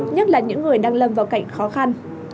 nhất là những người đang lâm vào cảnh khó khăn